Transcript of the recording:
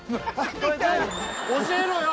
教えろよ！